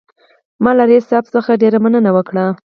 ما له رییس صاحب څخه ډېره مننه وکړه.